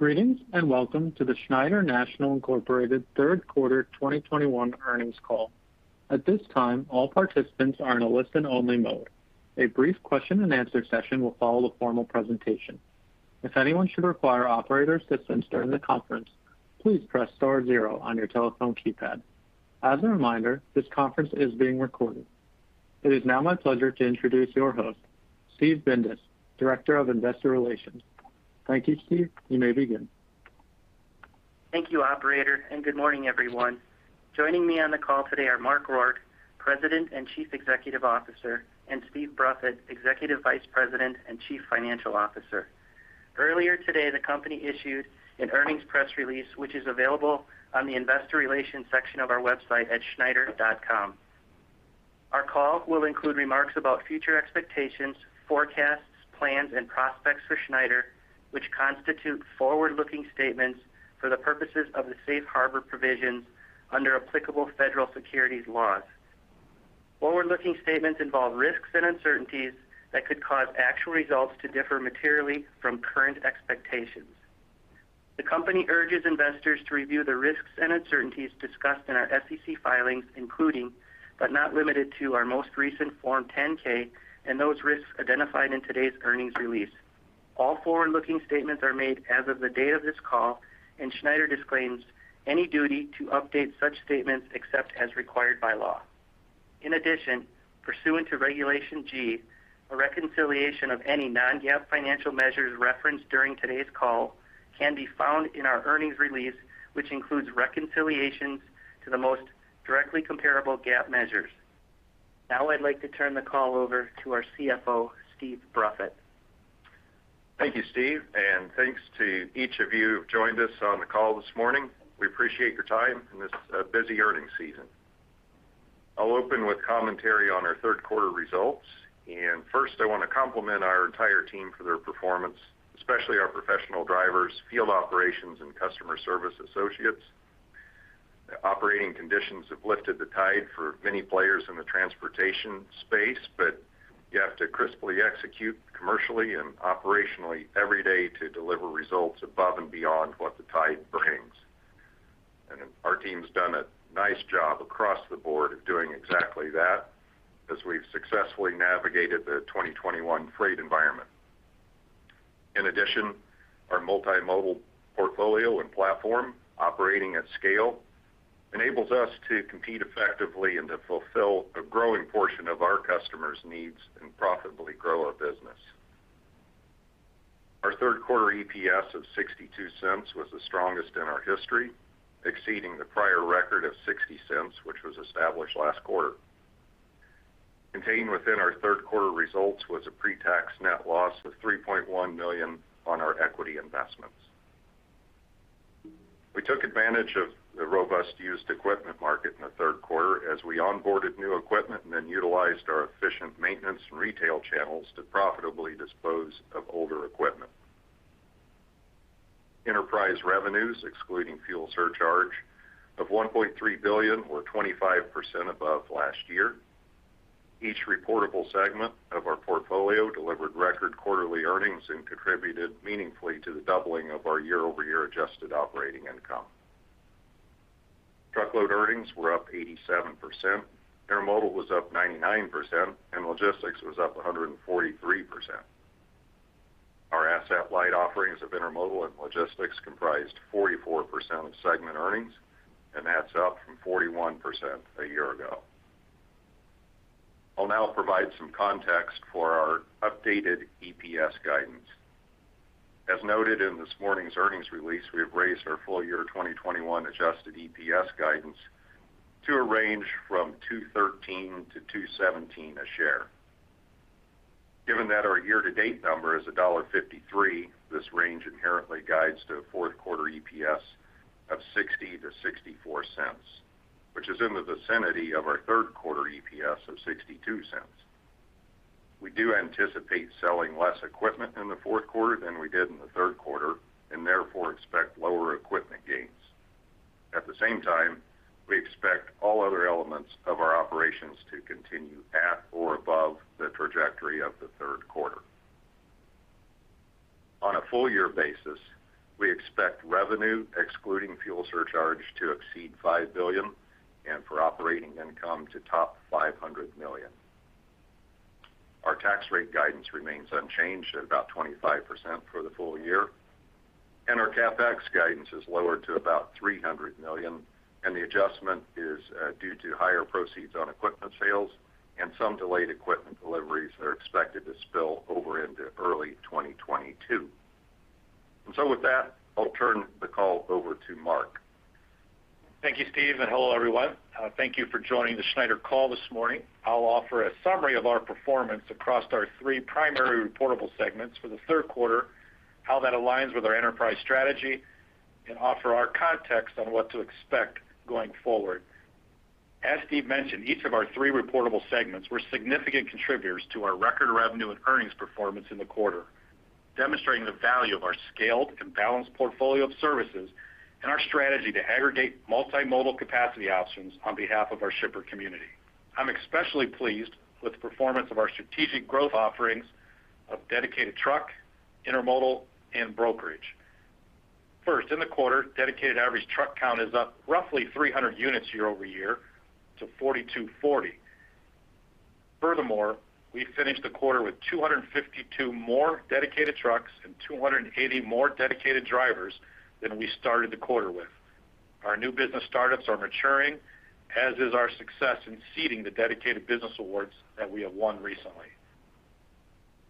Greetings, and Welcome to the Schneider National, Inc. Third Quarter 2021 Earnings Call. At this time, all participants are in a listen-only mode. A brief question-and-answer session will follow the formal presentation. If anyone should require operator assistance during the conference, please press star zero on your telephone keypad. As a reminder, this conference is being recorded. It is now my pleasure to introduce your host, Steve Bindas, Director of Investor Relations. Thank you, Steve. You may begin. Thank you operator, and good morning, everyone. Joining me on the call today are Mark Rourke, President and Chief Executive Officer, and Steve Bruffett, Executive Vice President and Chief Financial Officer. Earlier today, the company issued an earnings press release, which is available on the investor relations section of our website at schneider.com. Our call will include remarks about future expectations, forecasts, plans, and prospects for Schneider, which constitute forward-looking statements for the purposes of the safe harbor provisions under applicable federal securities laws. Forward-looking statements involve risks and uncertainties that could cause actual results to differ materially from current expectations. The company urges investors to review the risks and uncertainties discussed in our SEC filings, including, but not limited to, our most recent Form 10-K and those risks identified in today's earnings release. All forward-looking statements are made as of the date of this call, and Schneider disclaims any duty to update such statements except as required by law. In addition, pursuant to Regulation G, a reconciliation of any non-GAAP financial measures referenced during today's call can be found in our earnings release, which includes reconciliations to the most directly comparable GAAP measures. Now I'd like to turn the call over to our CFO, Steve Bruffett. Thank you, Steve and thanks to each of you who've joined us on the call this morning. We appreciate your time in this busy earnings season. I'll open with commentary on our third quarter results, and first I want to compliment our entire team for their performance, especially our professional drivers, field operations, and customer service associates. Operating conditions have lifted the tide for many players in the transportation space, but you have to crisply execute commercially and operationally every day to deliver results above and beyond what the tide brings. Our team's done a nice job across the board of doing exactly that as we've successfully navigated the 2021 freight environment. In addition, our multimodal portfolio and platform operating at scale enables us to compete effectively and to fulfill a growing portion of our customers' needs and profitably grow our business. Our Q3 EPS of $0.62 was the strongest in our history, exceeding the prior record of $0.60, which was established last quarter. Contained within our Q3 results was a pre-tax net loss of $3.1 million on our equity investments. We took advantage of the robust used equipment market in the Q3 as we onboarded new equipment and then utilized our efficient maintenance and retail channels to profitably dispose of older equipment. Enterprise revenues, excluding fuel surcharge, of $1.3 billion or 25% above last year. Each reportable segment of our portfolio delivered record quarterly earnings and contributed meaningfully to the doubling of our year-over-year adjusted operating income. Truckload earnings were up 87%, Intermodal was up 99%, and Logistics was up 143%. Our asset-light offerings of Intermodal and Logistics comprised 44% of segment earnings, and that's up from 41% a year ago. I'll now provide some context for our updated EPS guidance. As noted in this morning's earnings release, we have raised our full-year 2021 adjusted EPS guidance to a range from $2.13-$2.17 a share. Given that our year-to-date number is $1.53, this range inherently guides to a fourth quarter EPS of $0.60-$0.64, which is in the vicinity of our third quarter EPS of $0.62. We do anticipate selling less equipment in the fourth quarter than we did in the third quarter and therefore expect lower equipment gains. At the same time, we expect all other elements of our operations to continue at or above the trajectory of the third quarter. On a full year basis, we expect revenue excluding fuel surcharge to exceed $5 billion and for operating income to top $500 million. Our tax rate guidance remains unchanged at about 25% for the full year, and our CapEx guidance is lowered to about $300 million, and the adjustment is due to higher proceeds on equipment sales and some delayed equipment deliveries that are expected to spill over into early 2022. With that, I'll turn the call over to Mark. Thank you, Steve, and hello, everyone. Thank you for joining the Schneider call this morning. I'll offer a summary of our performance across our three primary reportable segments for the third quarter, how that aligns with our enterprise strategy, and offer our context on what to expect going forward. As Steve mentioned, each of our three reportable segments were significant contributors to our record revenue and earnings performance in the quarter, demonstrating the value of our scaled and balanced portfolio of services. Our strategy to aggregate multimodal capacity options on behalf of our shipper community. I'm especially pleased with the performance of our strategic growth offerings of Dedicated truck, Intermodal, and Brokerage. First, in the quarter, Dedicated average truck count is up roughly 300 units year-over-year to 4,240. Furthermore, we finished the quarter with 252 more Dedicated trucks and 280 more Dedicated drivers than we started the quarter with. Our new business startups are maturing, as is our success in seeding the Dedicated business awards that we have won recently.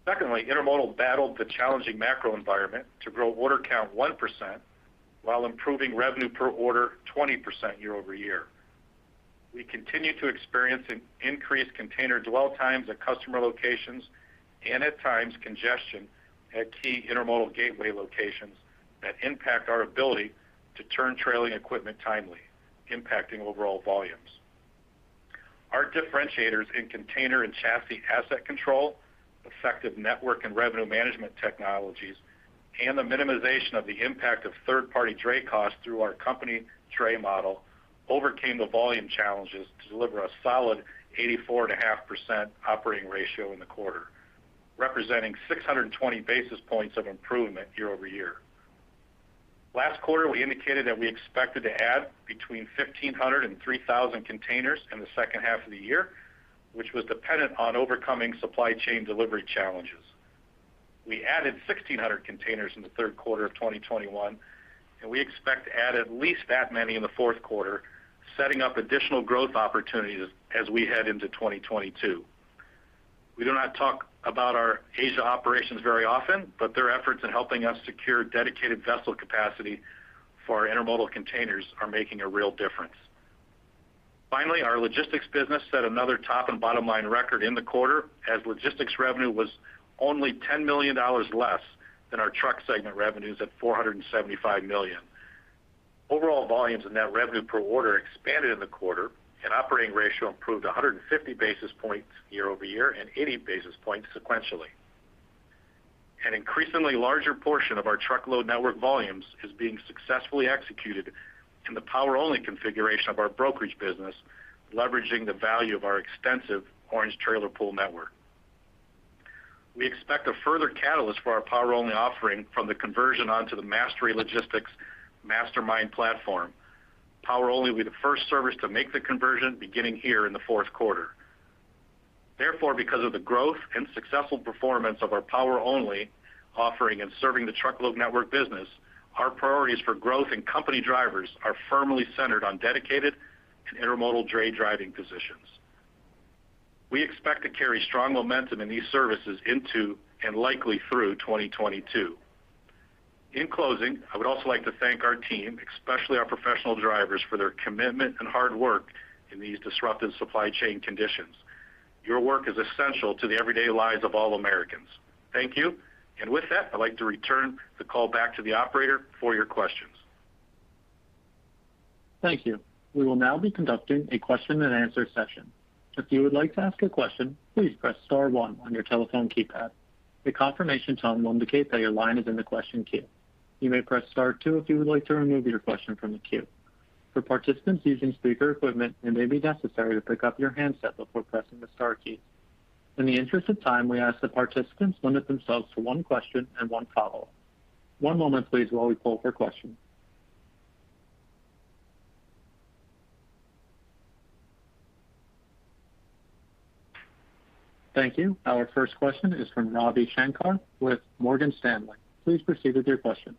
Secondly, Intermodal battled the challenging macro environment to grow order count 1% while improving Revenue per Order 20% year-over-year. We continue to experience an increased container dwell times at customer locations and at times congestion at key intermodal gateway locations that impact our ability to turn trailing equipment timely, impacting overall volumes. Our differentiators in container and chassis asset control, effective network and revenue management technologies, and the minimization of the impact of third-party dray costs through our company dray model overcame the volume challenges to deliver a solid 84.5% Operating Ratio in the quarter, representing 620 basis points of improvement year-over-year. Last quarter, we indicated that we expected to add between 1,500 and 3,000 containers in the second half of the year, which was dependent on overcoming supply chain delivery challenges. We added 1,600 containers in the third quarter of 2021, and we expect to add at least that many in the fourth quarter, setting up additional growth opportunities as we head into 2022. We do not talk about our Asia operations very often, but their efforts in helping us secure dedicated vessel capacity for our Intermodal containers are making a real difference. Finally, our Logistics business set another top and bottom line record in the quarter as Logistics revenue was only $10 million less than our truck segment revenues at $475 million. Overall volumes and net Revenue per Order expanded in the quarter, and operating ratio improved 150 basis points year-over-year and 80 basis points sequentially. An increasingly larger portion of our Truckload network volumes is being successfully executed in the Power-Only configuration of our Brokerage business, leveraging the value of our extensive orange trailer pool network. We expect a further catalyst for our Power-Only offering from the conversion onto the Mastery Logistics MasterMind platform. Power-Only will be the first service to make the conversion beginning here in the fourth quarter. Therefore, because of the growth and successful performance of our Power-Only offering and serving the Truckload network business, our priorities for growth and company drivers are firmly centered on Dedicated and Intermodal Dray driving positions. We expect to carry strong momentum in these services into and likely through 2022. In closing, I would also like to thank our team, especially our professional drivers, for their commitment and hard work in these disruptive supply chain conditions. Your work is essential to the everyday lives of all Americans. Thank you. With that, I'd like to return the call back to the operator for your questions. Thank you. We will now be conducting a question and answer session. If you would like to ask a question, please press star one on your telephone keypad. A confirmation tone will indicate that your line is in the question queue. You may press star two if you would like to remove your question from the queue. For participants using speaker equipment, it may be necessary to pick up your handset before pressing the star key. In the interest of time, we ask that participants limit themselves to one question and one follow-up. One moment please while we poll for questions. Thank you. Our first question is from Ravi Shanker with Morgan Stanley. Please proceed with your question.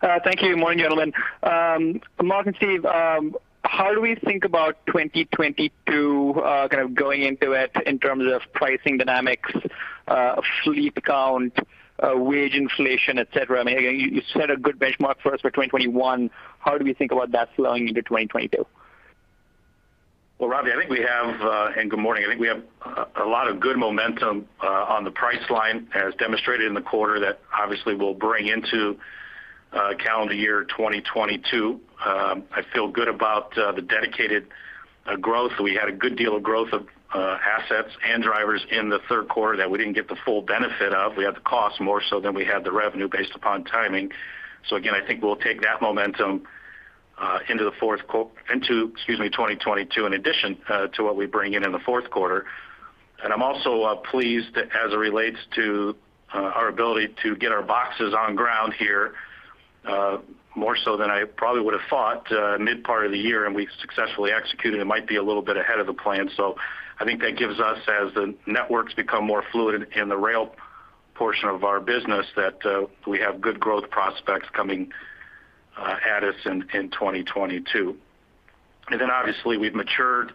Thank you. Morning, gentlemen. Mark and Steve, how do we think about 2022, kind of going into it in terms of pricing dynamics, fleet count, wage inflation, et cetera? I mean, you set a good benchmark for us for 2021. How do we think about that flowing into 2022? Well, Ravi, and good morning. I think we have a lot of good momentum on the price line as demonstrated in the quarter that obviously we'll bring into calendar year 2022. I feel good about the Dedicated growth. We had a good deal of growth of assets and drivers in the third quarter that we didn't get the full benefit of. We had the cost more so than we had the revenue based upon timing. Again, I think we'll take that momentum into 2022 in addition to what we bring in in the fourth quarter. I'm also pleased as it relates to our ability to get our boxes on ground here more so than I probably would have thought mid part of the year and we've successfully executed. It might be a little bit ahead of the plan. I think that gives us as the networks become more fluid in the rail portion of our business that we have good growth prospects coming at us in 2022. Obviously we've matured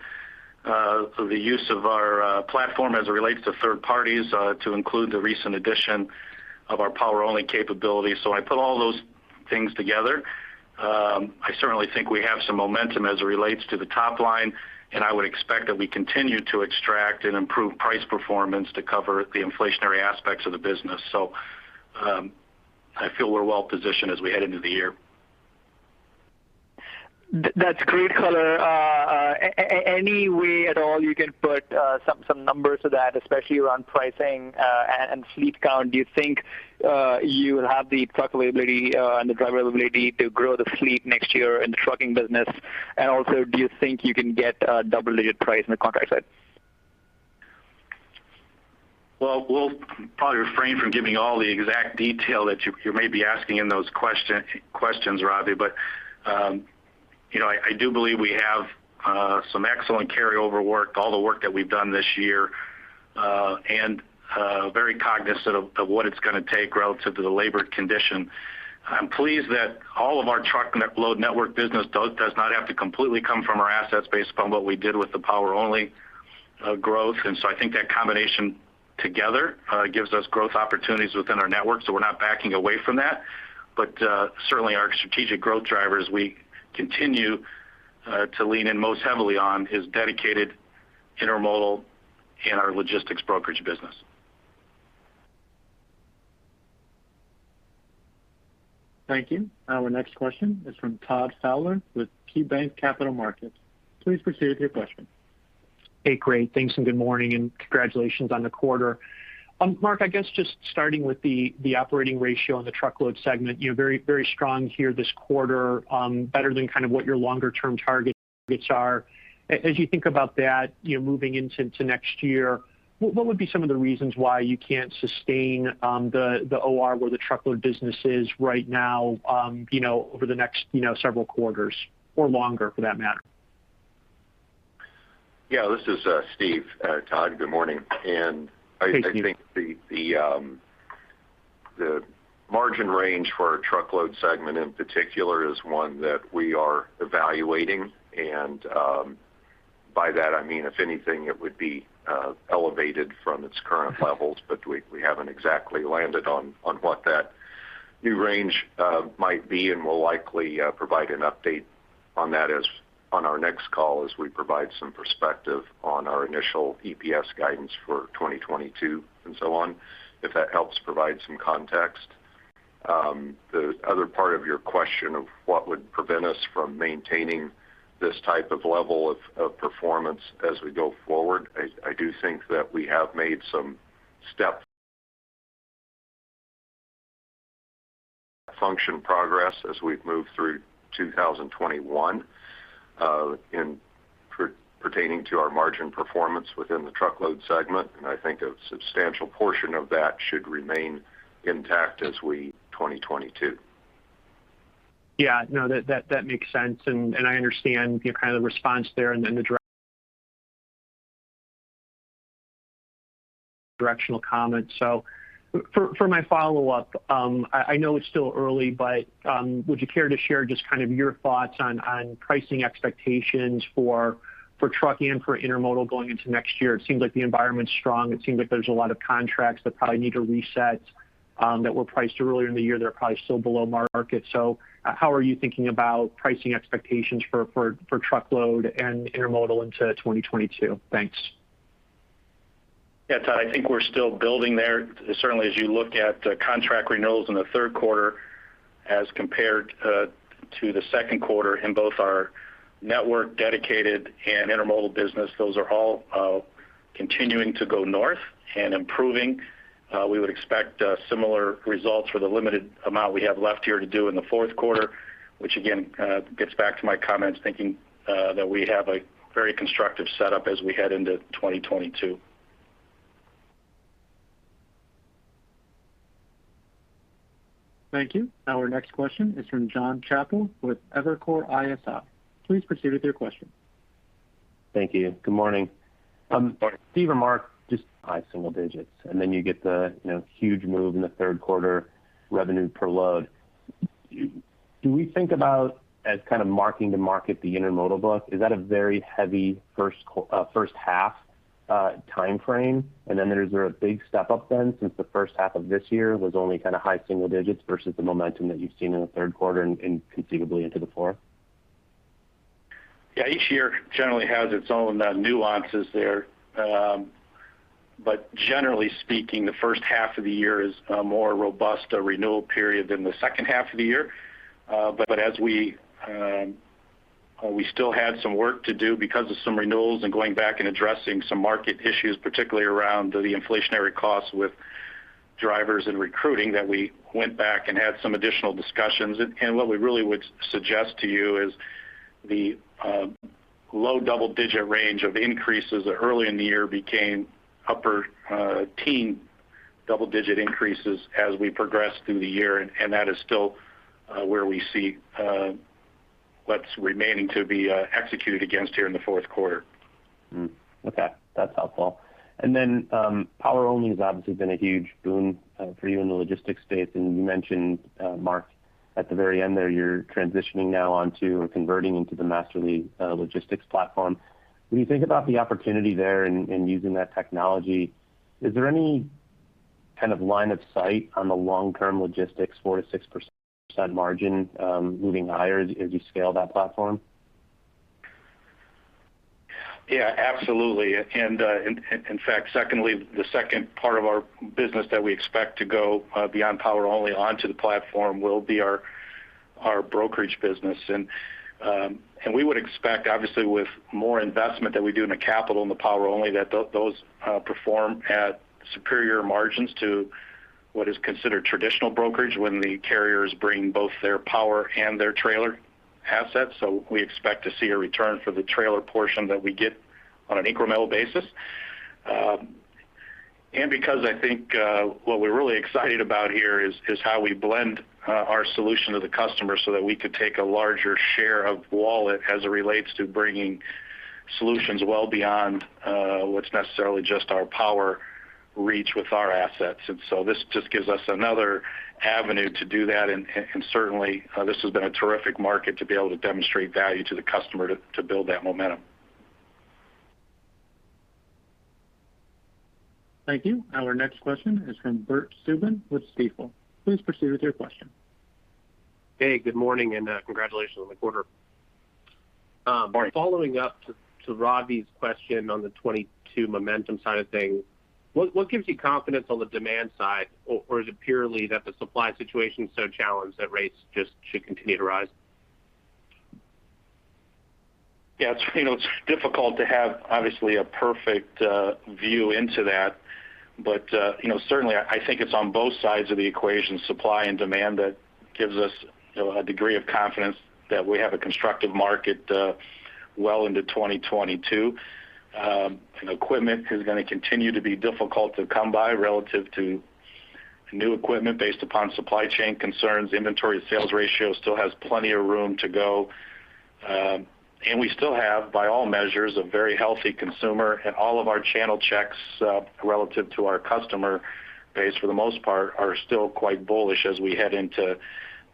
the use of our platform as it relates to third parties to include the recent addition of our Power-Only capability. I put all those things together. I certainly think we have some momentum as it relates to the top line, and I would expect that we continue to extract and improve price performance to cover the inflationary aspects of the business. I feel we're well positioned as we head into the year. That's great color. Any way at all you can put some numbers to that, especially around pricing and fleet count. Do you think you will have the truck availability and the driver availability to grow the fleet next year in the trucking business? Do you think you can get a double-digit price on the contract side? Well, we'll probably refrain from giving all the exact detail that you may be asking in those questions, Ravi. I do believe we have some excellent carryover work, all the work that we've done this year, and very cognizant of what it's gonna take relative to the labor condition. I'm pleased that all of our Truckload network business does not have to completely come from our assets based upon what we did with the Power-Only growth. I think that combination together gives us growth opportunities within our network, so we're not backing away from that. Certainly our strategic growth drivers we continue to lean in most heavily on is Dedicated, Intermodal and our Logistics brokerage business. Thank you. Our next question is from Todd Fowler with KeyBanc Capital Markets. Please proceed with your question. Hey, great. Thanks, and good morning, and congratulations on the quarter. Mark, I guess just starting with the operating ratio on the Truckload segment. You know, very, very strong here this quarter, better than kind of what your longer-term targets are. As you think about that, you know, moving into next year, what would be some of the reasons why you can't sustain the OR where the Truckload business is right now, you know, over the next several quarters or longer for that matter? Yeah, this is Steve. Todd, good morning. I think- Thanks. The margin range for our Truckload segment in particular is one that we are evaluating. By that I mean, if anything, it would be elevated from its current levels, but we haven't exactly landed on what that new range might be, and we'll likely provide an update on that on our next call as we provide some perspective on our initial EPS guidance for 2022 and so on, if that helps provide some context. The other part of your question of what would prevent us from maintaining this type of level of performance as we go forward, I do think that we have made some step function progress as we've moved through 2021 in pertaining to our margin performance within the Truckload segment. I think a substantial portion of that should remain intact as we 2022. Yeah. No, that makes sense. I understand, you know, kind of the response there and then the directional comments. For my follow-up, I know it's still early, but would you care to share just kind of your thoughts on pricing expectations for trucking and for Intermodal going into next year? It seems like the environment's strong. It seems like there's a lot of contracts that probably need to reset that were priced earlier in the year that are probably still below market. How are you thinking about pricing expectations for truckload and Intermodal into 2022? Thanks. Yeah, Todd, I think we're still building there. Certainly, as you look at contract renewals in the third quarter as compared to the second quarter in both our network Dedicated and Intermodal business, those are all continuing to go north and improving. We would expect similar results for the limited amount we have left here to do in the fourth quarter, which again gets back to my comments thinking that we have a very constructive setup as we head into 2022. Thank you. Our next question is from Jonathan Chappell with Evercore ISI. Please proceed with your question. Thank you. Good morning. Morning. Steve or Mark, just high single digits, and then you get the, you know, huge move in the third quarter revenue per load. Do we think about it as kind of marking the market, the Intermodal book? Is that a very heavy first half timeframe? Is there a big step up then since the first half of this year was only kind of high single digits versus the momentum that you've seen in the third quarter and conceivably into the fourth? Yeah. Each year generally has its own nuances there. Generally speaking, the first half of the year is a more robust renewal period than the second half of the year. As we still had some work to do because of some renewals and going back and addressing some market issues, particularly around the inflationary costs with drivers and recruiting, that we went back and had some additional discussions. What we really would suggest to you is the low double digit range of increases early in the year became upper teen double digit increases as we progressed through the year. That is still where we see what's remaining to be executed against here in the fourth quarter. Okay. That's helpful. Then, Power-Only has obviously been a huge boon for you in the logistics space. You mentioned, Mark, at the very end there, you're transitioning now onto or converting into the Mastery logistics platform. When you think about the opportunity there in using that technology, is there any kind of line of sight on the long-term logistics 4%-6% margin moving higher as you scale that platform? Yeah, absolutely. In fact, secondly, the second part of our business that we expect to go beyond Power-Only onto the platform will be our Brokerage business. We would expect obviously with more investment that we do in the CapEx and the Power-Only that those perform at superior margins to what is considered traditional brokerage when the carriers bring both their power and their trailer assets. We expect to see a return for the trailer portion that we get on an incremental basis. Because I think what we're really excited about here is how we blend our solution to the customer so that we could take a larger share of wallet as it relates to bringing solutions well beyond what's necessarily just our power and reach with our assets. This just gives us another avenue to do that. Certainly, this has been a terrific market to be able to demonstrate value to the customer to build that momentum. Thank you. Our next question is from Bert Subin with Stifel. Please proceed with your question. Hey, good morning, and congratulations on the quarter. Morning. Following up to Ravi question on the 2022 momentum side of things, what gives you confidence on the demand side? Or is it purely that the supply situation is so challenged that rates just should continue to rise? Yeah, it's, you know, it's difficult to have obviously a perfect view into that. You know, certainly I think it's on both sides of the equation, supply and demand, that gives us, you know, a degree of confidence that we have a constructive market, well into 2022. Equipment is gonna continue to be difficult to come by relative to new equipment based upon supply chain concerns. Inventory to sales ratio still has plenty of room to go. We still have, by all measures, a very healthy consumer. All of our channel checks, relative to our customer base for the most part, are still quite bullish as we head into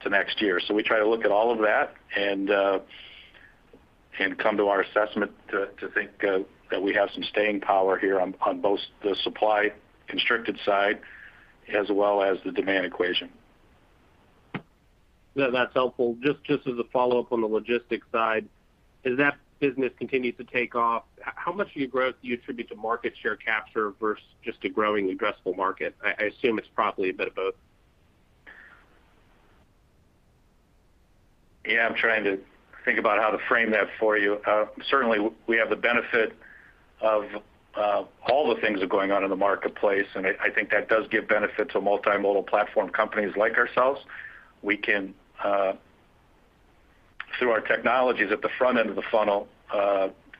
next year. We try to look at all of that and come to our assessment to think that we have some staying power here on both the supply constricted side as well as the demand equation. Yeah, that's helpful. Just as a follow-up on the Logistics side. As that business continues to take off, how much of your growth do you attribute to market share capture versus just a growing addressable market? I assume it's probably a bit of both. Yeah, I'm trying to think about how to frame that for you. Certainly we have the benefit of all the things that are going on in the marketplace, and I think that does give benefit to multimodal platform companies like ourselves. We can through our technologies at the front end of the funnel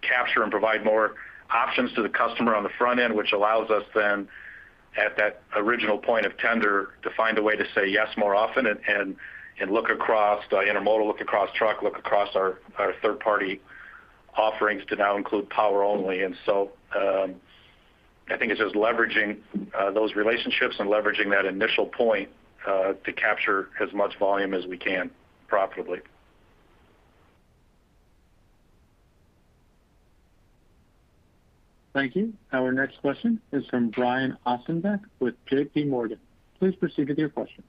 capture and provide more options to the customer on the front end, which allows us then at that original point of tender to find a way to say yes more often and look across intermodal, look across truck, look across our third party offerings to now include Power-Only. I think it's just leveraging those relationships and leveraging that initial point to capture as much volume as we can profitably. Thank you. Our next question is from Brian Ossenbeck with JPMorgan. Please proceed with your question.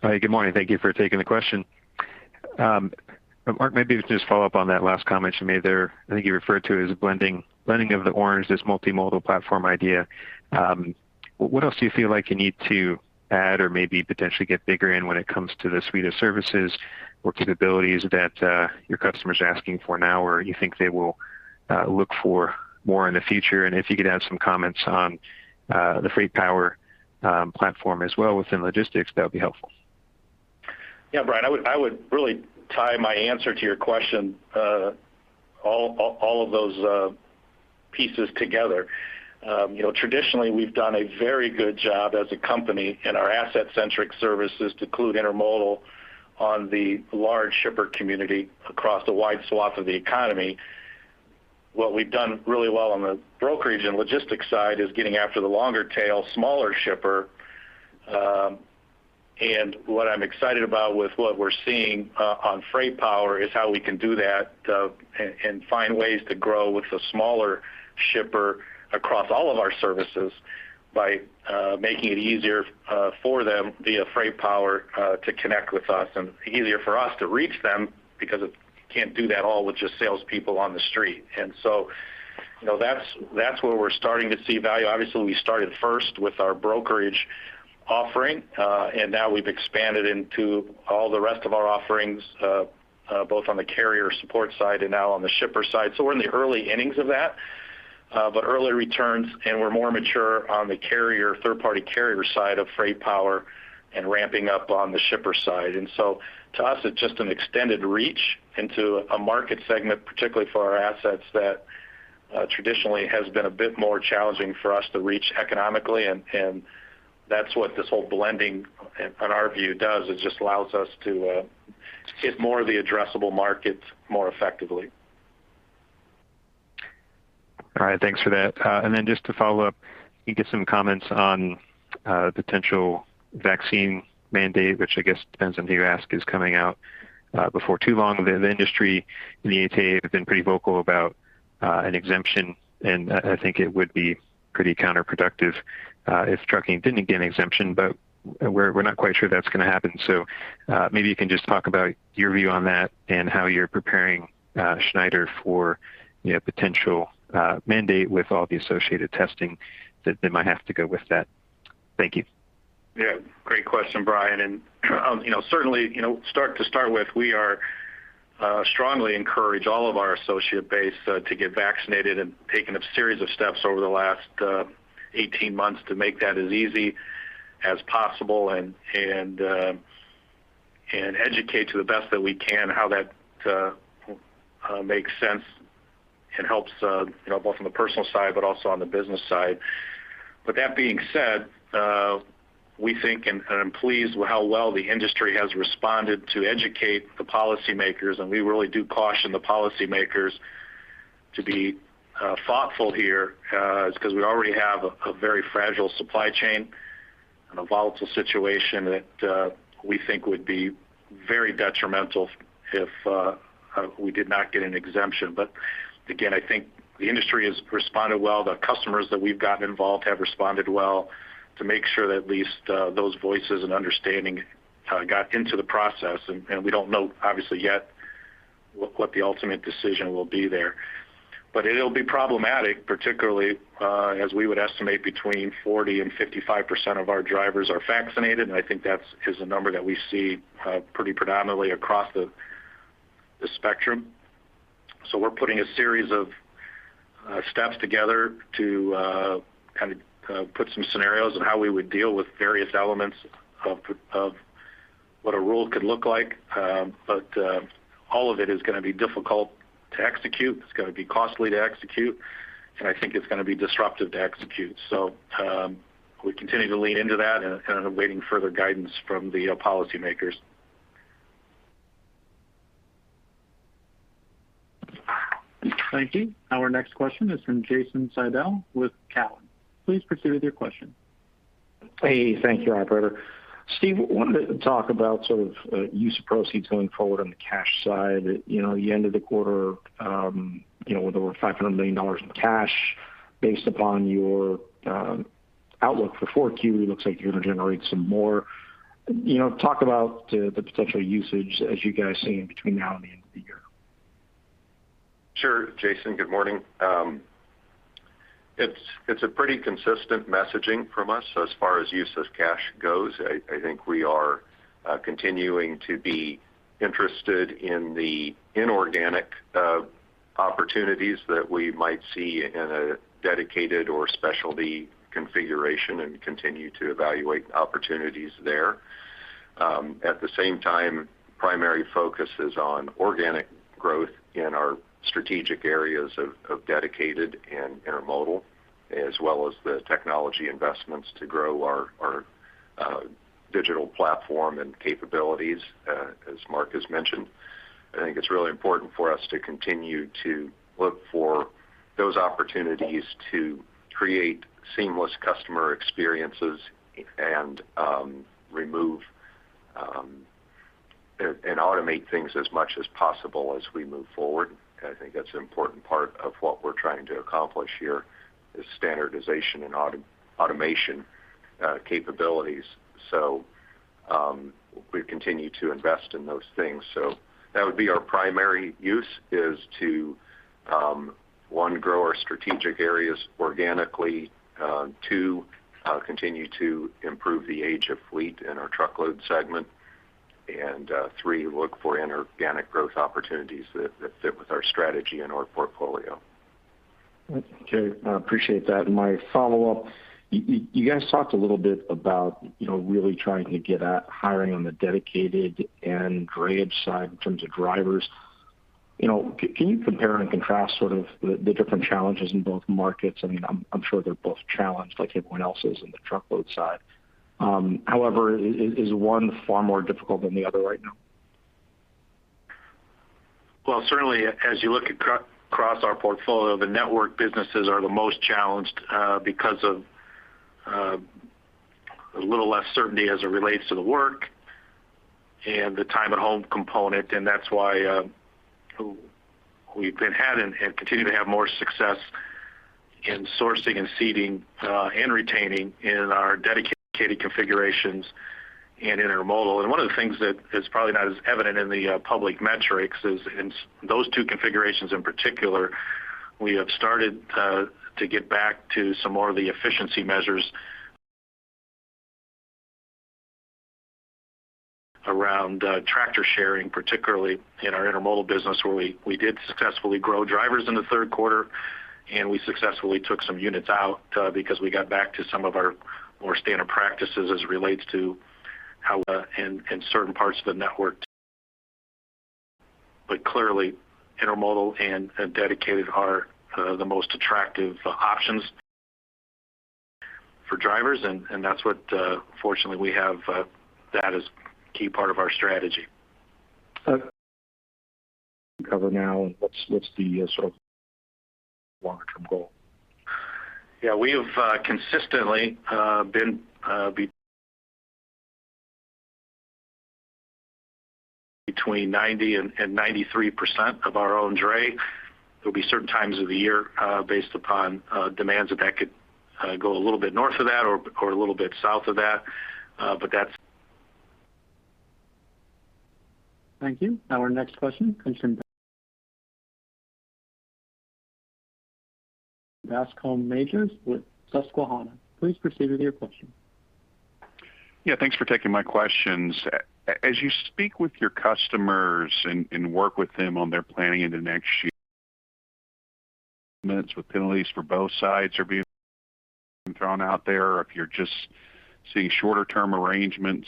Hi. Good morning. Thank you for taking the question. Mark, maybe just follow up on that last comment you made there. I think you referred to it as blending of the orange, this multimodal platform idea. What else do you feel like you need to add or maybe potentially get bigger in when it comes to the suite of services or capabilities that your customers are asking for now or you think they will look for more in the future? If you could add some comments on the FreightPower platform as well within Logistics, that would be helpful. Yeah, Brian, I would really tie my answer to your question, all of those pieces together. You know, traditionally, we've done a very good job as a company in our asset-centric services to include Intermodal on the large shipper community across a wide swath of the economy. What we've done really well on the Brokerage and Logistics side is getting after the long tail, smaller shipper. And what I'm excited about with what we're seeing on FreightPower is how we can do that and find ways to grow with the smaller shipper across all of our services by making it easier for them via FreightPower to connect with us and easier for us to reach them because you can't do that all with just salespeople on the street. You know, that's where we're starting to see value. Obviously, we started first with our Brokerage offering, and now we've expanded into all the rest of our offerings, both on the carrier support side and now on the shipper side. We're in the early innings of that, but early returns, and we're more mature on the carrier, third-party carrier side of FreightPower and ramping up on the shipper side. To us, it's just an extended reach into a market segment, particularly for our assets, that traditionally has been a bit more challenging for us to reach economically. That's what this whole blending in our view does. It just allows us to hit more of the addressable market more effectively. All right. Thanks for that. Then just to follow up, can you give some comments on a potential vaccine mandate, which I guess depends on who you ask, is coming out before too long. The industry and the ATA have been pretty vocal about an exemption, and I think it would be pretty counterproductive if trucking didn't get an exemption. We're not quite sure that's gonna happen. Maybe you can just talk about your view on that and how you're preparing Schneider for, you know, a potential mandate with all the associated testing that they might have to go with that. Thank you. Yeah. Great question, Brian. You know, certainly, you know, start with, we strongly encourage all of our associate base to get vaccinated, and taken a series of steps over the last 18 months to make that as easy as possible and educate to the best that we can how that makes sense and helps, you know, both on the personal side but also on the business side. That being said, we think, and I'm pleased with how well the industry has responded to educate the policymakers, and we really do caution the policymakers to be thoughtful here, 'cause we already have a very fragile supply chain and a volatile situation that we think would be very detrimental if we did not get an exemption. Again, I think the industry has responded well. The customers that we've gotten involved have responded well to make sure that at least those voices and understanding got into the process. We don't know obviously yet what the ultimate decision will be there. It'll be problematic, particularly as we would estimate between 40% and 55% of our drivers are vaccinated, and I think that's a number that we see pretty predominantly across the spectrum. We're putting a series of steps together to kind of put some scenarios on how we would deal with various elements of what a rule could look like. All of it is gonna be difficult to execute, it's gonna be costly to execute, and I think it's gonna be disruptive to execute. We continue to lean into that and awaiting further guidance from the policymakers. Thank you. Our next question is from Jason Seidl with Cowen. Please proceed with your question. Hey. Thank you, operator. Steve, I wanted to talk about sort of use of proceeds going forward on the cash side. You know, the end of the quarter, you know, with over $500 million in cash based upon your outlook for 4Q, it looks like you're gonna generate some more. You know, talk about the potential usage as you guys see in between now and the end of the year. Sure, Jason. Good morning. It's a pretty consistent messaging from us so as far as use of cash goes. I think we are continuing to be interested in the inorganic opportunities that we might see in a Dedicated or specialty configuration and continue to evaluate opportunities there. At the same time, primary focus is on organic growth in our strategic areas of Dedicated and Intermodal, as well as the technology investments to grow our digital platform and capabilities, as Mark has mentioned. I think it's really important for us to continue to look for those opportunities to create seamless customer experiences and remove and automate things as much as possible as we move forward. I think that's an important part of what we're trying to accomplish here, is standardization and automation capabilities. We continue to invest in those things. That would be our primary use, is to, one, grow our strategic areas organically, two, continue to improve the age of fleet in our Truckload segment, and, three, look for inorganic growth opportunities that fit with our strategy and our portfolio. Okay. I appreciate that. My follow-up, you guys talked a little bit about, you know, really trying to get at hiring on the Dedicated and drayage side in terms of drivers. You know, can you compare and contrast sort of the different challenges in both markets? I mean, I'm sure they're both challenged like everyone else is in the Truckload side. However, is one far more difficult than the other right now? Well, certainly as you look across our portfolio, the network businesses are the most challenged because of a little less certainty as it relates to the work and the time at home component. That's why we've had and continue to have more success in sourcing and securing and retaining in our Dedicated Configurations and Intermodal. One of the things that is probably not as evident in the public metrics is, in those two configurations in particular, we have started to get back to some more of the efficiency measures around tractor sharing, particularly in our Intermodal business, where we did successfully grow drivers in the third quarter, and we successfully took some units out because we got back to some of our more standard practices as it relates to how in certain parts of the network. Intermodal and Dedicated are the most attractive options for drivers, and that's what, fortunately, we have that as a key part of our strategy. Cover now, and what's the sort of long-term goal? Yeah, we have consistently been between 90% and 93% of our own dray. There'll be certain times of the year based upon demands that could go a little bit north of that or a little bit south of that. But that's Thank you. Our next question comes from Bascome Majors with Susquehanna. Please proceed with your question. Yeah, thanks for taking my questions. As you speak with your customers and work with them on their planning into next year, commitments with penalties for both sides are being thrown out there. If you're just seeing shorter term arrangements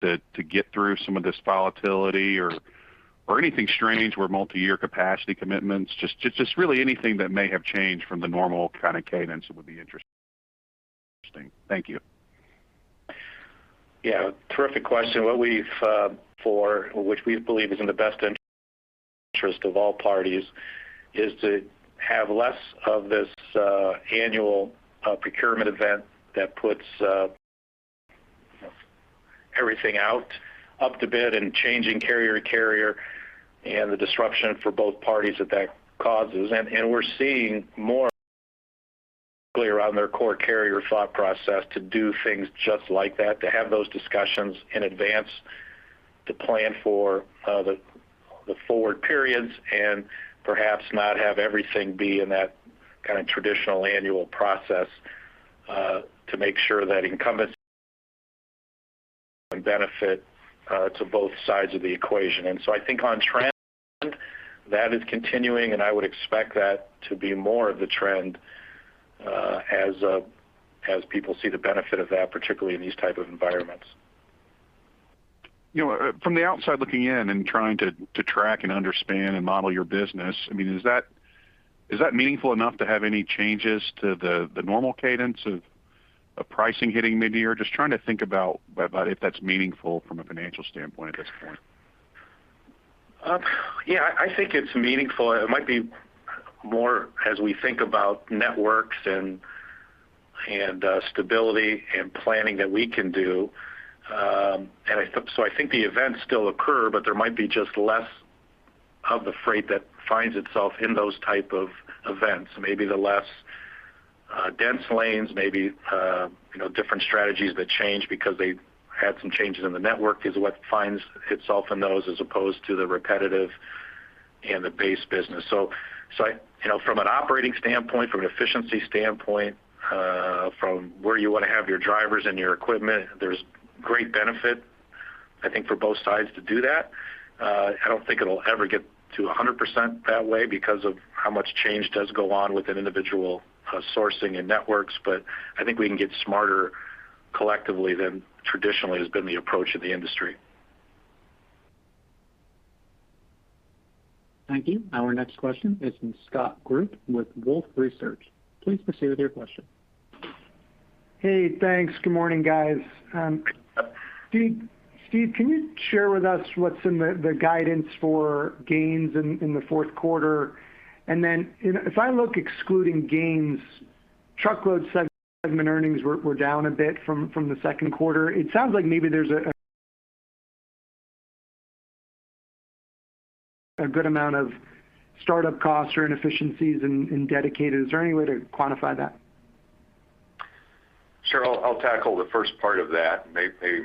to get through some of this volatility or anything strange where multi-year capacity commitments, just really anything that may have changed from the normal kind of cadence would be interesting. Thank you. Yeah, terrific question. What we've for which we believe is in the best interest of all parties, is to have less of this annual procurement event that puts everything out up to bid and changing carrier to carrier, and the disruption for both parties that causes. We're seeing more clearly around their core carrier thought process to do things just like that, to have those discussions in advance, to plan for the forward periods and perhaps not have everything be in that kind of traditional annual process to make sure that incumbents benefit to both sides of the equation. I think on trend, that is continuing, and I would expect that to be more of the trend as people see the benefit of that, particularly in these type of environments. You know, from the outside looking in and trying to track and understand and model your business, I mean, is that meaningful enough to have any changes to the normal cadence of pricing hitting midyear? Just trying to think about if that's meaningful from a financial standpoint at this point. Yeah, I think it's meaningful. It might be more as we think about networks and stability and planning that we can do. I think the events still occur, but there might be just less of the freight that finds itself in those type of events. Maybe the less dense lanes, maybe you know, different strategies that change because they had some changes in the network is what finds itself in those as opposed to the repetitive and the base business. I you know, from an operating standpoint, from an efficiency standpoint, from where you want to have your drivers and your equipment, there's great benefit, I think, for both sides to do that. I don't think it'll ever get to 100% that way because of how much change does go on within individual sourcing and networks. I think we can get smarter collectively than traditionally has been the approach of the industry. Thank you. Our next question is from Scott Group with Wolfe Research. Please proceed with your question. Hey, thanks. Good morning, guys. Steve, can you share with us what's in the guidance for gains in the fourth quarter? If I look excluding gains, Truckload segment earnings were down a bit from the second quarter. It sounds like maybe there's a good amount of startup costs or inefficiencies in Dedicated. Is there any way to quantify that? Sure. I'll tackle the first part of that. Maybe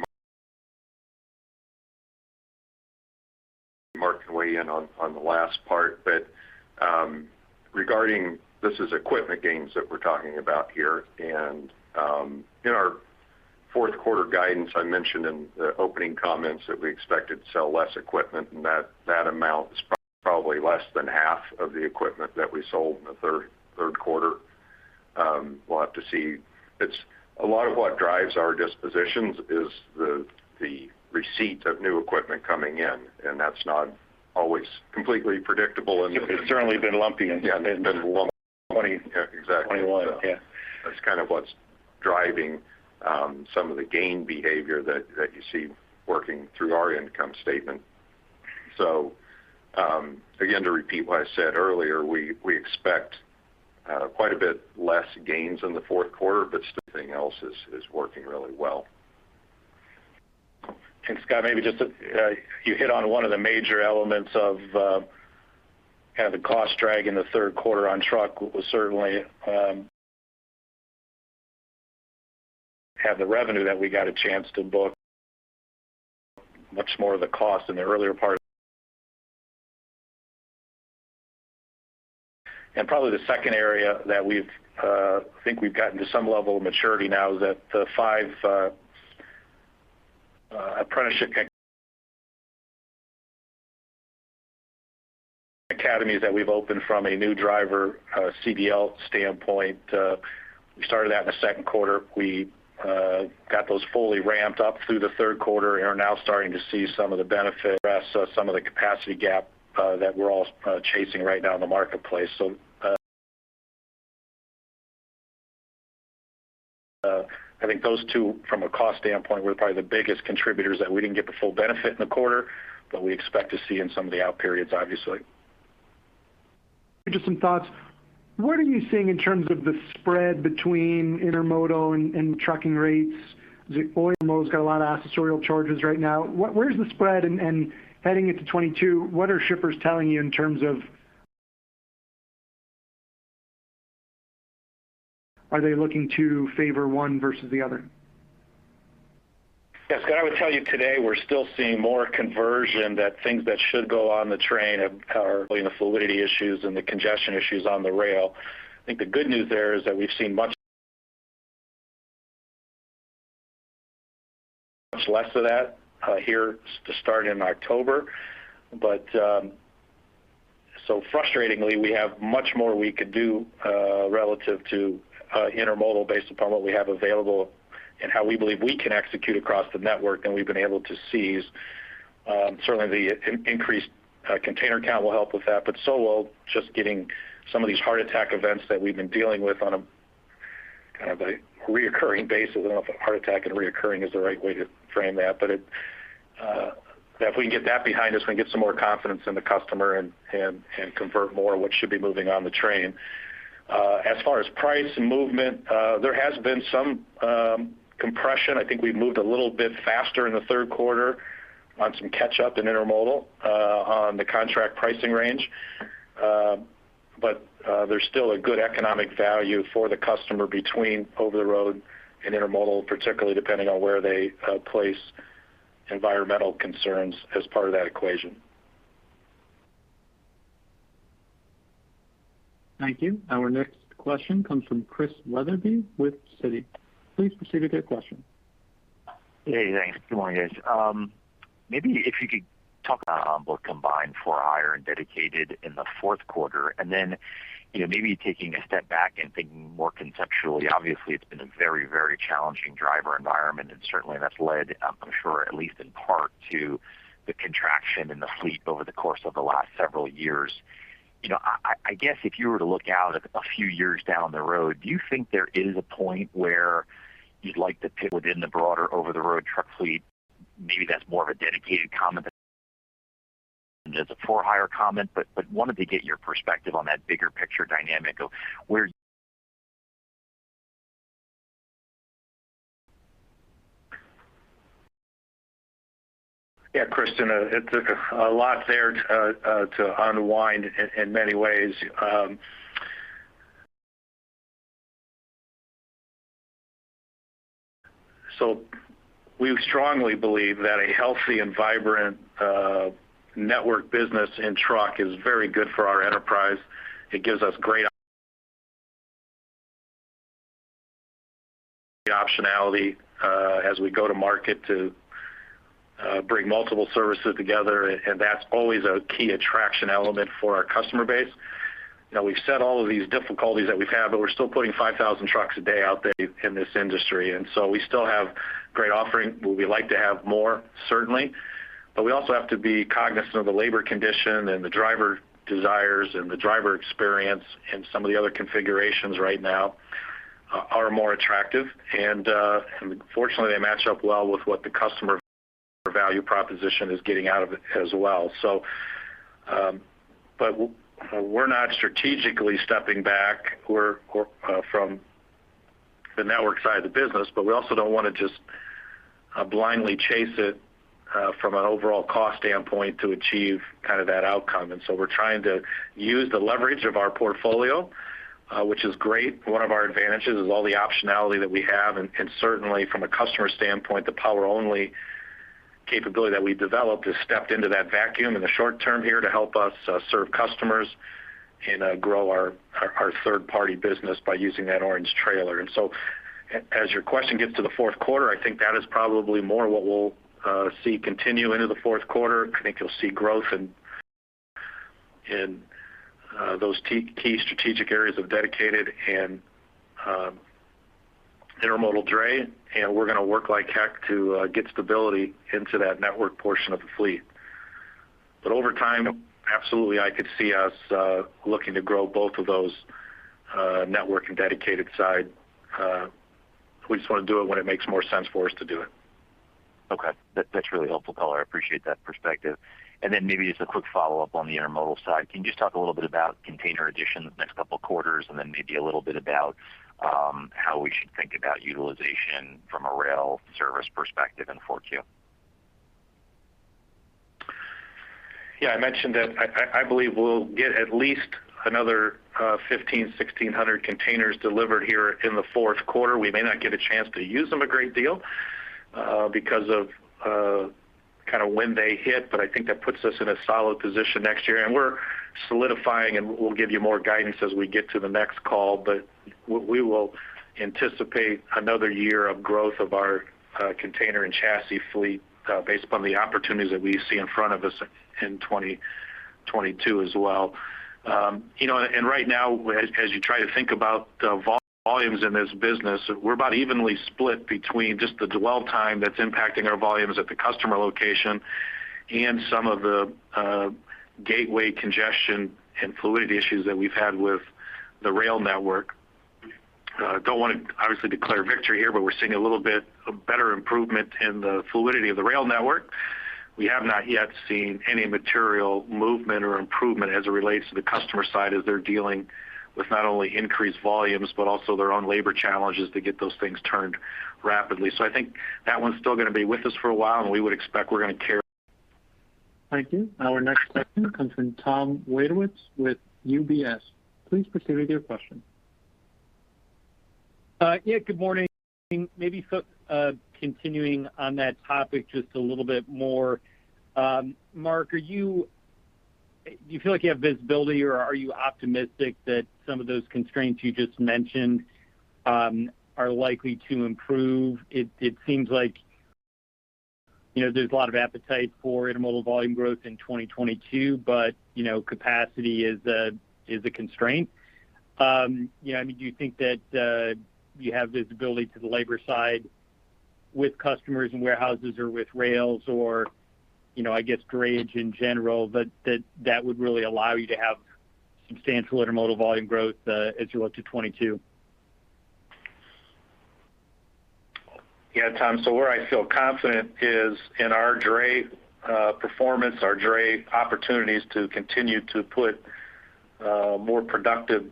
Mark can weigh in on the last part. Regarding these equipment gains that we're talking about here. In our fourth quarter guidance, I mentioned in the opening comments that we expected to sell less equipment, and that amount is probably less than half of the equipment that we sold in the third quarter. We'll have to see. It's a lot of what drives our dispositions is the receipt of new equipment coming in, and that's not always completely predictable. It's certainly been lumpy. Yeah. It's been lumpy 20-. Yeah. Exactly. -21. Yeah. That's kind of what's driving some of the gain behavior that you see working through our income statement. Again, to repeat what I said earlier, we expect quite a bit less gains in the fourth quarter, but something else is working really well. Scott, maybe just. You hit on one of the major elements of kind of the cost drag in the third quarter on Truckload was certainly having the revenue that we got a chance to book much more of the cost in the earlier part. Probably the second area that we think we've gotten to some level of maturity now is that the five apprenticeship academies that we've opened from a new driver CDL standpoint, we started that in the second quarter. We got those fully ramped up through the third quarter and are now starting to see some of the benefit to address some of the capacity gap that we're all chasing right now in the marketplace. I think those two from a cost standpoint were probably the biggest contributors that we didn't get the full benefit in the quarter, but we expect to see in some of the out periods, obviously. Just some thoughts. What are you seeing in terms of the spread between Intermodal and trucking rates? Intermodal has got a lot of accessorial charges right now. Where is the spread and heading into 2022, what are shippers telling you in terms of are they looking to favor one versus the other? Yes, Scott, I would tell you today, we're still seeing more conversion that things that should go on the train have currently in the fluidity issues and the congestion issues on the rail. I think the good news there is that we've seen much less of that here to start in October. Frustratingly, we have much more we could do relative to intermodal based upon what we have available and how we believe we can execute across the network than we've been able to seize. Certainly the increased container count will help with that, but so will just getting some of these heart attack events that we've been dealing with on a recurring basis. I don't know if a heart attack and recurring is the right way to frame that. If we can get that behind us, we can get some more confidence in the customer and convert more what should be moving on the train. As far as price and movement, there has been some compression. I think we've moved a little bit faster in the third quarter on some catch up in Intermodal on the contract pricing range. There's still a good economic value for the customer between over the road and Intermodal, particularly depending on where they place environmental concerns as part of that equation. Thank you. Our next question comes from Chris Wetherbee with Citi. Please proceed with your question. Hey, thanks. Good morning, guys. Maybe if you could talk about both combined for hire and dedicated in the fourth quarter, and then, you know, maybe taking a step back and thinking more conceptually, obviously, it's been a very, very challenging driver environment, and certainly that's led, I'm sure, at least in part to the contraction in the fleet over the course of the last several years. You know, I guess if you were to look out a few years down the road, do you think there is a point where you'd like to pick within the broader over the road truck fleet? Maybe that's more of a dedicated comment than as a for hire comment, but wanted to get your perspective on that bigger picture dynamic of where. Yeah, Chris, it's a lot there to unwind in many ways. We strongly believe that a healthy and vibrant network business in truck is very good for our enterprise. It gives us great optionality as we go to market to bring multiple services together, and that's always a key attraction element for our customer base. You know, we've said all of these difficulties that we've had, but we're still putting 5,000 trucks a day out there in this industry. We still have great offering. Would we like to have more? Certainly. But we also have to be cognizant of the labor condition and the driver desires and the driver experience, and some of the other configurations right now are more attractive. Fortunately, they match up well with what the customer value proposition is getting out of it as well. We're not strategically stepping back. We're from the network side of the business, but we also don't want to just blindly chase it from an overall cost standpoint to achieve kind of that outcome. We're trying to use the leverage of our portfolio, which is great. One of our advantages is all the optionality that we have. Certainly from a customer standpoint, the Power-Only capability that we developed has stepped into that vacuum in the short term here to help us serve customers and grow our third-party business by using that orange trailer. As your question gets to the fourth quarter, I think that is probably more what we'll see continue into the fourth quarter. I think you'll see growth in those key strategic areas of Dedicated and Intermodal dray, and we're going to work like heck to get stability into that network portion of the fleet. Over time, absolutely, I could see us looking to grow both of those, network and Dedicated side. We just want to do it when it makes more sense for us to do it. Okay. That's really helpful color, I appreciate that perspective. Maybe just a quick follow-up on the Intermodal side. Can you just talk a little bit about container addition the next couple of quarters, and then maybe a little bit about, how we should think about utilization from a rail service perspective in 4Q? Yeah. I mentioned that I believe we'll get at least another 1,500-1,600 containers delivered here in the fourth quarter. We may not get a chance to use them a great deal because of when they hit, but I think that puts us in a solid position next year. We're solidifying, and we'll give you more guidance as we get to the next call. We will anticipate another year of growth of our container and chassis fleet based upon the opportunities that we see in front of us in 2022 as well. You know, right now, as you try to think about the volumes in this business, we're about evenly split between just the dwell time that's impacting our volumes at the customer location and some of the gateway congestion and fluidity issues that we've had with the rail network. Don't want to obviously declare victory here, but we're seeing a little bit of better improvement in the fluidity of the rail network. We have not yet seen any material movement or improvement as it relates to the customer side as they're dealing with not only increased volumes, but also their own labor challenges to get those things turned rapidly. I think that one's still going to be with us for a while, and we would expect we're going to care- Thank you. Our next question comes from Tom Wadewitz with UBS. Please proceed with your question. Yeah, good morning. Maybe, continuing on that topic just a little bit more. Mark, do you feel like you have visibility, or are you optimistic that some of those constraints you just mentioned are likely to improve? It seems like, you know, there's a lot of appetite for Intermodal volume growth in 2022, but, you know, capacity is a constraint. You know, I mean, do you think that you have visibility to the labor side with customers and warehouses or with rails or, you know, I guess drayage in general, but that would really allow you to have substantial Intermodal volume growth as you look to 2022? Yeah, Tom. Where I feel confident is in our dray performance, our dray opportunities to continue to put more productive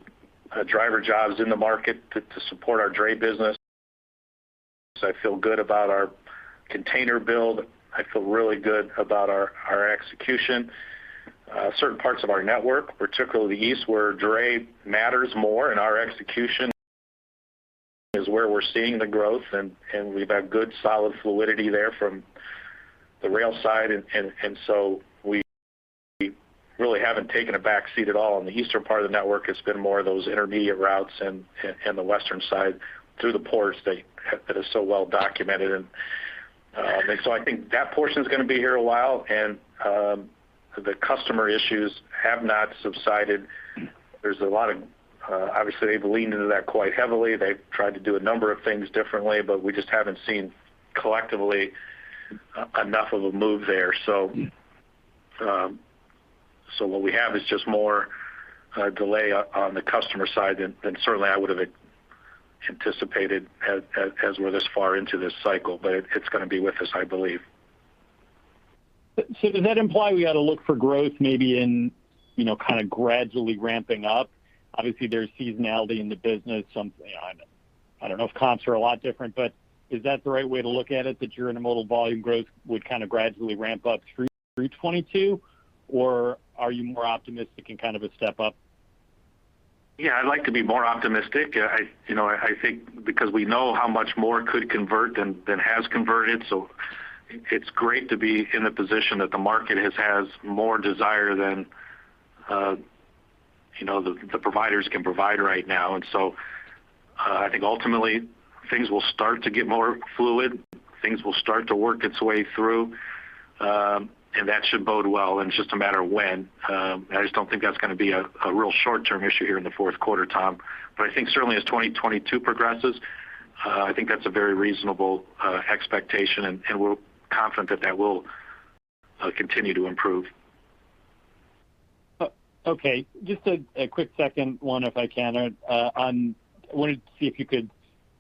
driver jobs in the market to support our dray business. I feel good about our container build. I feel really good about our execution. Certain parts of our network, particularly east, where dray matters more and our execution is where we're seeing the growth, and we've had good solid fluidity there from the rail side. We really haven't taken a back seat at all, and the eastern part of the network has been more of those intermediate routes and the western side through the port state that is so well documented. I think that portion is going to be here a while, and the customer issues have not subsided. There's a lot of, obviously, they've leaned into that quite heavily. They've tried to do a number of things differently, but we just haven't seen collectively enough of a move there. What we have is just more delay on the customer side than certainly I would have anticipated as we're this far into this cycle. It's going to be with us, I believe. Does that imply we ought to look for growth maybe in, you know, kind of gradually ramping up? Obviously, there's seasonality in the business. You know, I don't know if comps are a lot different, but is that the right way to look at it, that your Intermodal volume growth would kind of gradually ramp up through 2022? Or are you more optimistic in kind of a step up? Yeah, I'd like to be more optimistic. I you know I think because we know how much more could convert than has converted. It's great to be in a position that the market has more desire than you know the providers can provide right now. I think ultimately things will start to get more fluid, things will start to work its way through. That should bode well, and it's just a matter when. I just don't think that's going to be a real short-term issue here in the fourth quarter, Tom. I think certainly as 2022 progresses, I think that's a very reasonable expectation and we're confident that that will continue to improve. Okay. Just a quick second one, if I can. I wanted to see if you could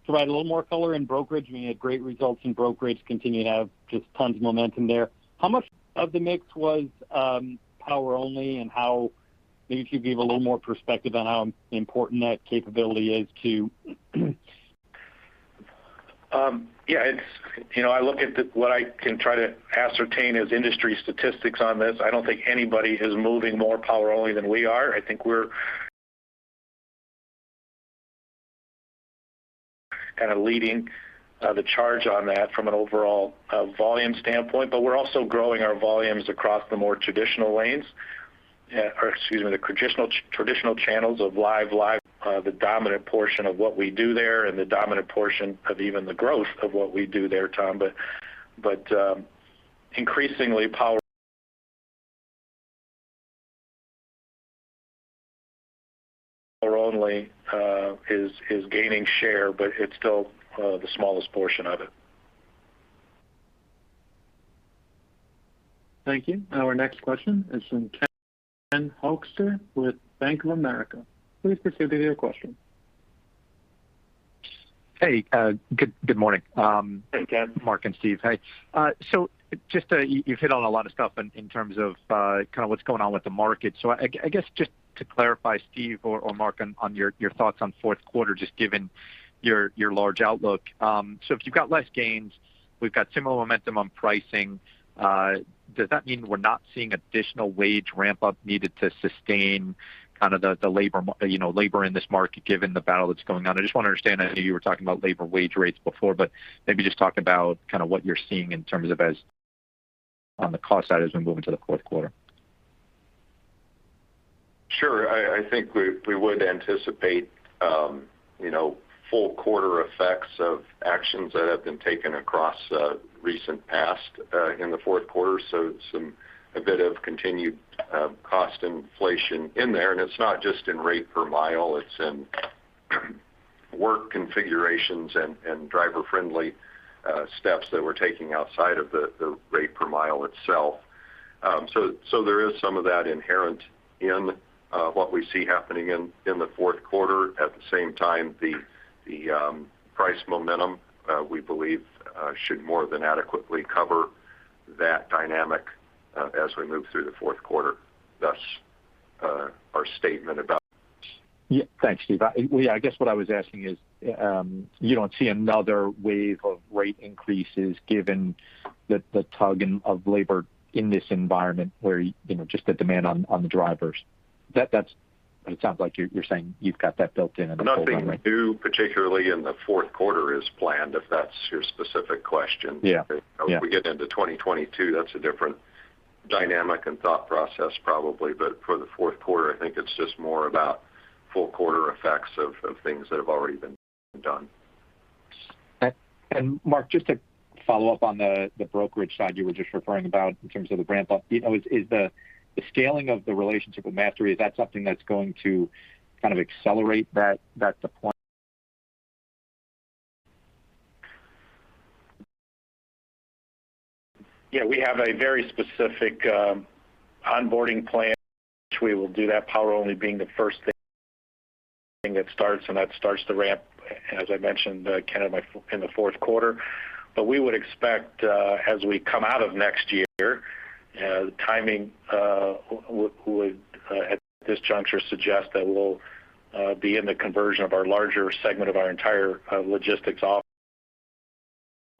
provide a little more color in Brokerage. I mean, you had great results in Brokerage, continue to have just tons of momentum there. How much of the mix was Power-Only and how maybe if you give a little more perspective on how important that capability is to. Yeah, it's, you know, I look at what I can try to ascertain as industry statistics on this. I don't think anybody is moving more Power-Only than we are. I think we're kind of leading the charge on that from an overall volume standpoint. But we're also growing our volumes across the more traditional lanes, the traditional channels of live, the dominant portion of what we do there and the dominant portion of even the growth of what we do there, Tom. Increasingly Power-Only is gaining share, but it's still the smallest portion of it. Thank you. Our next question is from Ken Hoexter with Bank of America. Please proceed with your question. Hey, good morning. Hey, Ken. Mark and Steve. Hey. So just, you've hit on a lot of stuff in terms of kind of what's going on with the market. I guess just to clarify, Steve or Mark on your thoughts on fourth quarter, just given your large outlook. If you've got less gains, we've got similar momentum on pricing. Does that mean we're not seeing additional wage ramp up needed to sustain kind of the labor in this market, given the battle that's going on? I just want to understand. I know you were talking about labor wage rates before, but maybe just talk about kind of what you're seeing in terms of on the cost side as we move into the fourth quarter. Sure. I think we would anticipate you know full quarter effects of actions that have been taken across recent past in the fourth quarter. Some a bit of continued cost inflation in there. It's not just in rate per mile, it's in work configurations and driver-friendly steps that we're taking outside of the rate per mile itself. There is some of that inherent in what we see happening in the fourth quarter. At the same time, the price momentum we believe should more than adequately cover that dynamic as we move through the fourth quarter, thus our statement about- Yeah. Thanks, Steve. I guess what I was asking is, you don't see another wave of rate increases given the tug and pull of labor in this environment where you know, just the demand on the drivers. That's what it sounds like you're saying you've got that built in and the full- Nothing new, particularly in the fourth quarter, is planned, if that's your specific question. Yeah. Yeah. If we get into 2022, that's a different dynamic and thought process probably. For the fourth quarter, I think it's just more about full quarter effects of things that have already been done. And Mark, just to follow up on the brokerage side you were just referring to in terms of the ramp up. You know, is the scaling of the relationship with Mastery, is that something that's going to kind of accelerate that deployment? Yeah, we have a very specific onboarding plan, which we will do that Power-Only being the first thing that starts, and that starts to ramp, as I mentioned, in the fourth quarter. We would expect, as we come out of next year, the timing would, at this juncture suggest that we'll be in the conversion of our larger segment of our entire logistics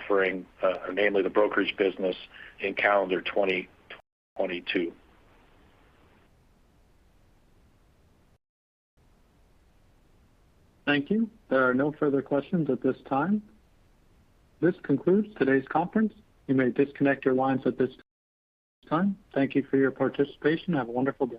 offering, namely the brokerage business in calendar 2022. Thank you. There are no further questions at this time. This concludes today's conference. You may disconnect your lines at this time. Thank you for your participation. Have a wonderful day.